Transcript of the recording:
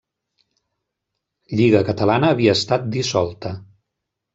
Lliga Catalana havia estat dissolta.